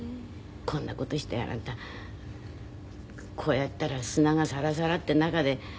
こんな事してあなたこうやったら砂がサラサラって中で。